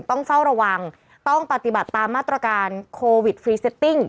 ต้องเฝ้าระวังต้องปฏิบัติตามมาตรการโควิดฟรีเซตติ้ง